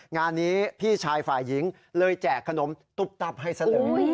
งานนี้พี่ชายฝ่ายหญิงเลยแจกขนมตุ๊บตับให้ซะเลย